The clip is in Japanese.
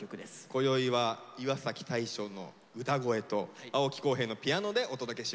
こよいは岩大昇の歌声と青木滉平のピアノでお届けします。